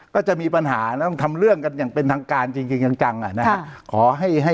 ก็จะมีปัญหาต้องทำเรื่องกันอย่างเป็นทางการจริงจังอ่ะนะฮะ